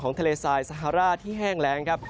ของทะเลทรายสหราชที่แห้งแรงครับ